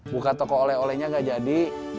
buka toko le olenya gak jadi